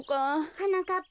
はなかっぱ。